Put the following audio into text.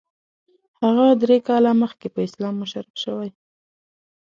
هغه درې کاله مخکې په اسلام مشرف شوی.